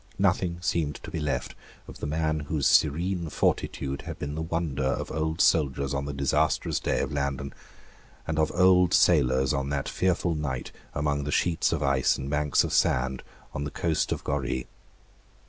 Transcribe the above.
Nothing seemed to be left of the man whose serene fortitude had been the wonder of old soldiers on the disastrous day of Landen, and of old sailors on that fearful night among the sheets of ice and banks of sand on the coast of Goree.